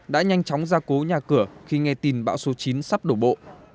đã nhanh chóng ra cố nhà cửa khi nghe tin bão số chín sắp đổ bộ